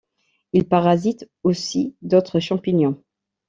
Il parasite aussi d'autres champignons.